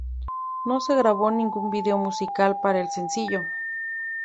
No se grabó ningún vídeo musical para el sencillo.